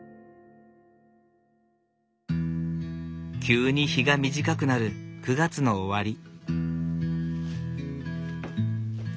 急に日が短くなる９月の終わり。